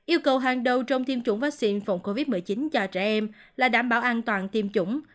yêu cầu hàng đầu trong tiêm chủng vaccine phòng covid một mươi chín cho trẻ em là đảm bảo an toàn tiêm chủng